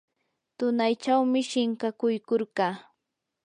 tunaychawmi shinkakuykurqaa.